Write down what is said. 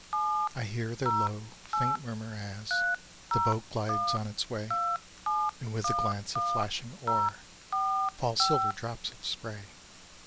I hear their low, faint murmur as The boat glides on its way, And with the glance of flashing oar Fall silver drops of spray!